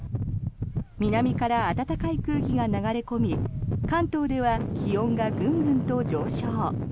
南から暖かい空気が流れ込み関東では気温がグングンと上昇。